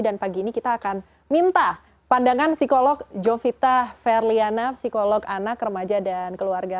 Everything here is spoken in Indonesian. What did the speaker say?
dan pagi ini kita akan minta pandangan psikolog jovita verliana psikolog anak remaja dan keluarga